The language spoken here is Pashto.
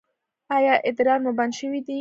ایا ادرار مو بند شوی دی؟